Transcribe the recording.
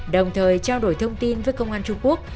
đồng thời trao đổi thông tin với công an trung quốc